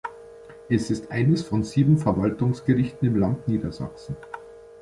Es ist eines von sieben Verwaltungsgerichten im Land Niedersachsen.